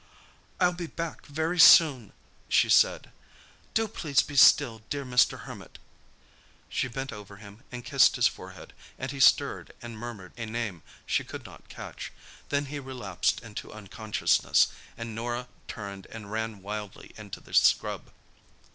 "I'll be back very soon," she said. "Do please be still, dear Mr. Hermit!" She bent over him and kissed his forehead, and he stirred and murmured a name she could not catch. Then he relapsed into unconsciousness, and Norah turned and ran wildly into the scrub.